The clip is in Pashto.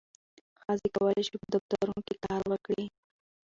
ښځې کولی شي په دفترونو کې کار وکړي.